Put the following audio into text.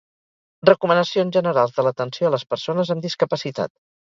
Recomanacions generals de l'atenció a les persones amb discapacitat.